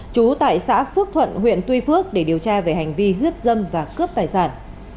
trú tại xã phước thuận huyện tuy phước để điều tra về hành vi hiếp dâm và cướp tài sản